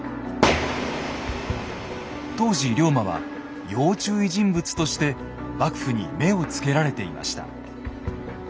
当時龍馬は要注意人物として幕府に目をつけられていました。